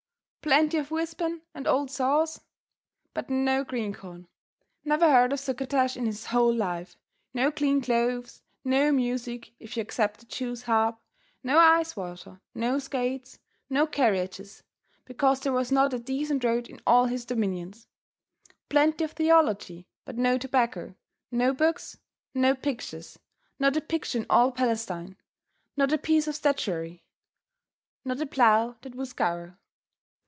Plenty of wisdom and old saws but no green corn; never heard of succotash in his whole life. No clean clothes, no music, if you except a jew's harp, no ice water, no skates, no carriages, because there was not a decent road in all his dominions. Plenty of theology but no tobacco, no books, no pictures, not a picture in all Palestine, not a piece of statuary, not a plough that would scour.